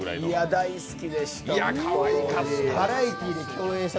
大好きでした。